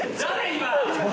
今。